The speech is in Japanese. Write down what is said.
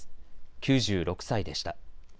９６歳でした。